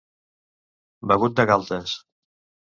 Begut de galtes.